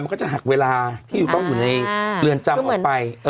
มันก็จะหักเวลาที่ต้องอยู่ในเรือนจำออกไป